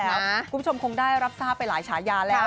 คุณผู้ชมคงได้รับทราบไปหลายฉายาแล้ว